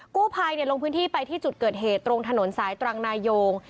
กู้ภัยลงพื้นที่ไปที่จุดเกิดเหตุตรงถนนสายตรังนายง